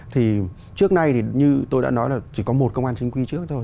thì trước nay thì như tôi đã nói là chỉ có một công an chính quy trước thôi